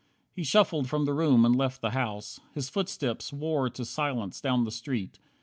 He shuffled from the room, and left the house. His footsteps wore to silence down the street.